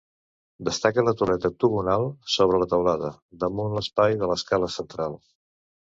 Destaca la torreta octogonal sobre la teulada, damunt l'espai de l'escala central.